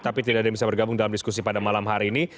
tapi tidak ada yang bisa bergabung dalam diskusi pada malam hari ini